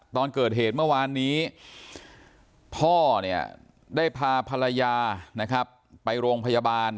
ตอนเกิดเหตุเมื่อวานนี้พ่อเนี่ยได้พาภรรยานะครับไปโรงพยาบาล